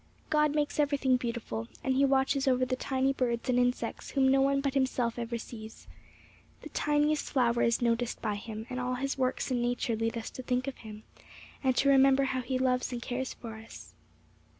God makes everything beautiful, and He watches over the tiny birds and insects whom no one but Himself ever sees. The tiniest flower is noticed by Him, and all His works in nature lead us to think of Him, and to remember how He loves and cares for us.'